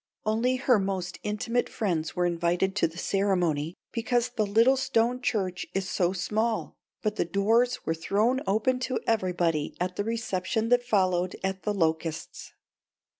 Only her most intimate friends were invited to the ceremony, because the little stone church is so small, but the doors were thrown open to everybody at the reception that followed at The Locusts.